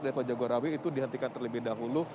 dari tol ciawi itu dihentikan terlebih dahulu